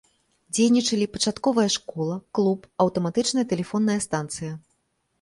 Дзейнічалі пачатковая школа, клуб, аўтаматычная тэлефонная станцыя.